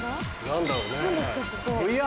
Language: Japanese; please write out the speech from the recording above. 何だろうね？